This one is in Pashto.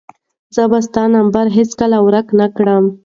زه به ستا نمبر هیڅکله ورک نه کړم.